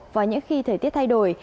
và những khi thời tiết thay đổi